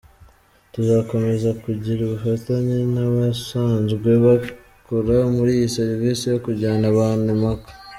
Tuzakomeza kugira ubufatanye n’abasanzwe bakora muri iyi serivisi yo kujyana abantu i Maka.